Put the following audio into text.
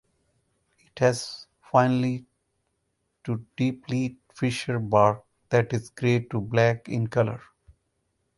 It has finely to deeply fissured bark that is grey to black in colour.